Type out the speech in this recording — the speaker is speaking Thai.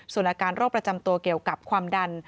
ส่วนอาการโรคประจำตัวเกี่ยวกับความดัน